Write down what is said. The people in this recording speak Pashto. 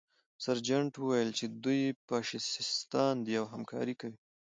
سرجنټ وویل چې دوی فاشیستان دي او همکاري کوي